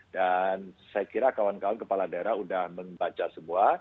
dan saya kira kawan kawan kepala daerah sudah membaca semua